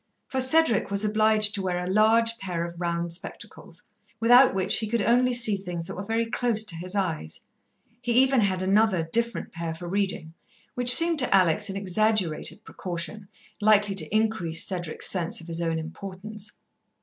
For Cedric was obliged to wear a large pair of round spectacles, without which he could only see things that were very close to his eyes. He even had another, different, pair for reading, which seemed to Alex an exaggerated precaution, likely to increase Cedric's sense of his own importance.